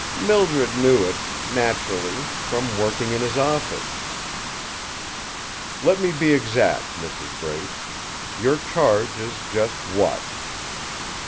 "Mildred knew it naturally, from working in his office." "Let me be exact, Mrs. Brace. Your charge is just what?"